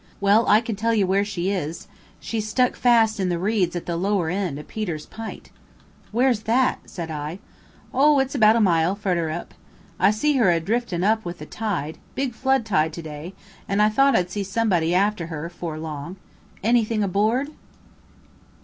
Well, I can tell you where she is. She's stuck fast in the reeds at the lower end o' Peter's Pint." "Where's that?" said I. "Oh, it's about a mile furder up. I seed her a driftin' up with the tide big flood tide, to day and I thought I'd see somebody after her, afore long. Anything aboard?"